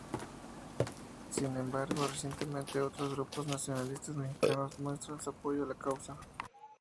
Sin embargo, recientemente otros grupos nacionalistas mexicanos muestran su apoyo a la causa.